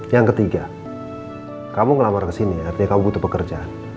yang ketiga kamu ngelamar kesini artinya kamu butuh pekerjaan